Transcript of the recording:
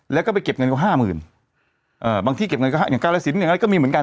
แล้วก็ไปเก็บเงินเขาห้าหมื่นเอ่อบางที่เก็บเงินก็ห้าอย่างกาลสินอย่างนั้นก็มีเหมือนกัน